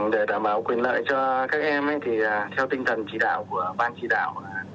để đảm bảo quyền lợi cho các em theo tinh thần chỉ đạo của văn chỉ đạo